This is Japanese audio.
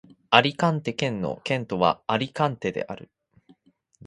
アリカンテ県の県都はアリカンテである